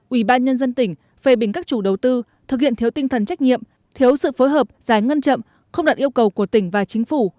ubnd tỉnh phê bình các chủ đầu tư thực hiện thiếu tinh thần trách nhiệm thiếu sự phối hợp giải ngân chậm không đạt yêu cầu của tỉnh và chính phủ